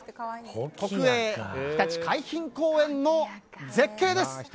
国営ひたち海浜公園の絶景です。